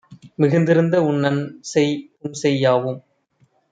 மிகுத்திருந்த உன்நன்செய், புன்செய்யாவும்